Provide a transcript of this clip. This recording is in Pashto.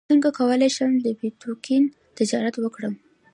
څنګه کولی شم د بیتکوین تجارت وکړم